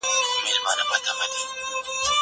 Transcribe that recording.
زه کولای سم ځواب وليکم!!